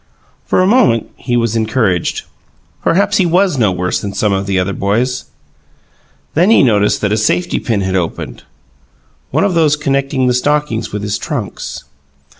For a moment he was encouraged: perhaps he was no worse than some of the other boys. Then he noticed that a safety pin had opened; one of those connecting the stockings with his trunks.